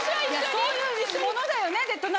そういうものだよね。